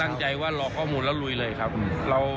ตั้งใจว่ารอข้อมูลแล้วลุยเลยครับ